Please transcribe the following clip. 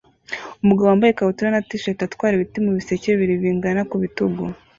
Umugabo wambaye ikabutura na t-shirt atwara ibiti mubiseke bibiri bingana ku bitugu